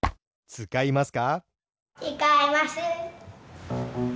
つかいます。